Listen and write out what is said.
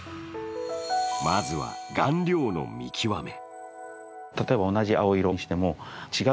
まずは、顔料の見極め。